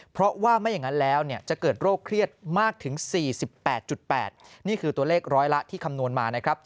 เพราะว่าไม่อย่างนั้นแล้วจะเกิดโรคเครียดมากถึง๔๘๘นี่คือตัวเลขร้อยละที่คำนวณมานะครับ